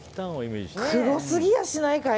黒すぎやしないかい？